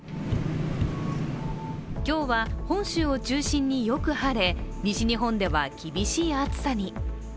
今日は本州を中心によく晴れ、西日本では厳しい暑さに。